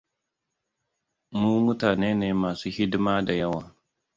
Mu mutane ne masu hidima da yawa.